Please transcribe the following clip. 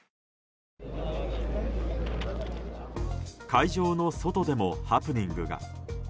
会場の外でもハプニングが。